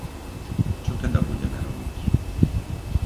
Čo teda budeme robiť?